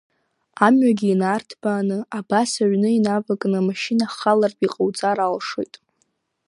Амҩагьы инарҭбааны, абас, аҩны инавакны, амашьына халартә иҟауҵар алшоит.